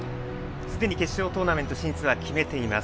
すでに決勝トーナメント進出は決めています。